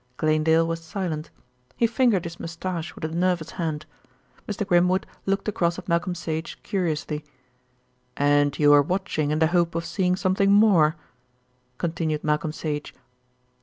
Glanedale was silent. He fingered his moustache with a nervous hand. Mr. Grimwood looked across at Malcolm Sage curiously. "And you were watching in the hope of seeing something more," continued Malcolm Sage.